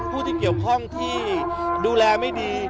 ผู้ที่เกี่ยวข้องที่ดูแลไม่ดี